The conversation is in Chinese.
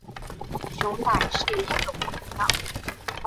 熊胆是一种中药。